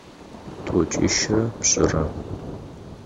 Тӏокӏищырэ пшӏырэ.